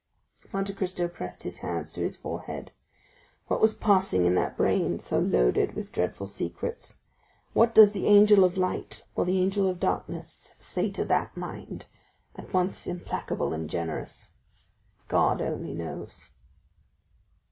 Monte Cristo pressed his hands to his forehead. What was passing in that brain, so loaded with dreadful secrets? What does the angel of light or the angel of darkness say to that mind, at once implacable and generous? God only knows.